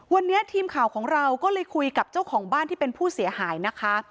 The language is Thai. วันนี้ทีมข่าวของเราก็เลยคุยกับเจ้าของบ้านที่เป็นผู้เสียหายนะคะ